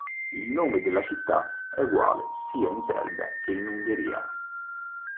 Il nome della città è uguale sia in Serbia che Ungheria.